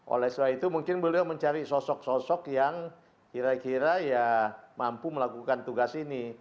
oleh sebab itu mungkin beliau mencari sosok sosok yang kira kira ya mampu melakukan tugas ini